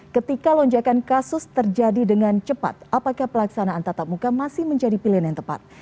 ketika lonjakan kasus terjadi dengan cepat apakah pelaksanaan tatap muka masih menjadi pilihan yang tepat